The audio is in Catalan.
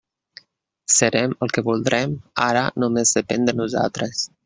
Serem el que voldrem, ara només depèn de nosaltres.